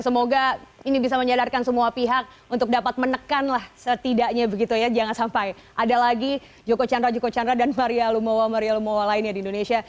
semoga ini bisa menyadarkan semua pihak untuk dapat menekanlah setidaknya begitu ya jangan sampai ada lagi joko chandra joko chandra dan maria lumowa maria lumowa lainnya di indonesia